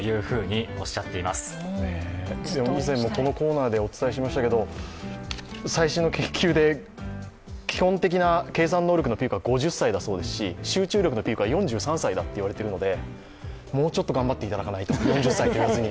以前もこのコーナーでお伝えしましたけど最新の研究で、基本的な計算能力のピークは５０歳だそうですし、集中力のピークは４３歳だといわれていますのでもうちょっと頑張っていただかないと、４０歳と言わずに。